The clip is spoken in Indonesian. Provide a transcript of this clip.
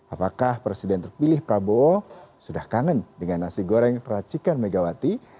apakah presiden terpilih prabowo sudah kangen dengan nasi goreng racikan megawati